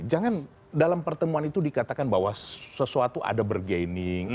jangan dalam pertemuan itu dikatakan bahwa sesuatu ada bergaining